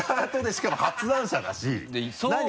しかも発案者だし何？